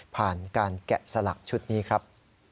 ผ่านการแกะสลักชุดนี้ครับ